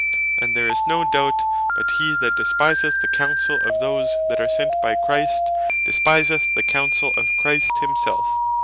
And there is no doubt, but he that despiseth the Counsell of those that are sent by Christ, despiseth the Counsell of Christ himself.